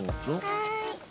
はい。